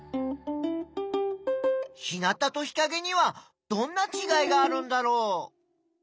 日なたと日かげにはどんなちがいがあるんだろう？